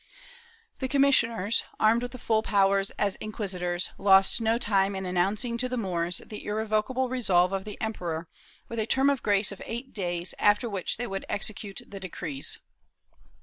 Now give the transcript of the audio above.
^ The commissioners, armed with full powers as inquisitors, lost no time in announcing to the Moors the irrevocable resolve of the emperor, with a term of grace of eight days, after which they would execute the decrees.